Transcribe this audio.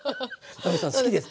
奈実さん好きです。